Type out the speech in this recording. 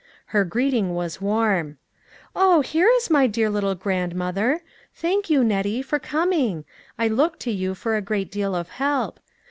Her greeting was warm. " Oh ! here is my dear little grandmother. Thank you, Nettie, for coming; I look to you for a great deal of help.